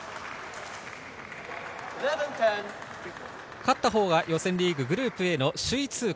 勝ったほうが予選リーググループＡの首位通過。